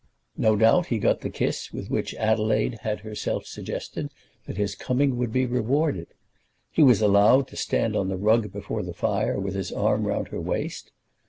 No doubt he got the kiss with which Adelaide had herself suggested that his coming would be rewarded. He was allowed to stand on the rug before the fire with his arm round her waist.